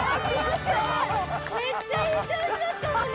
めっちゃいい調子だったのに！